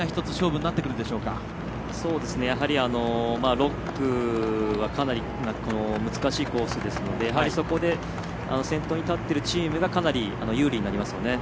６区はかなり難しいコースですのでそこで先頭に立っているチームがかなり、有利になりますね。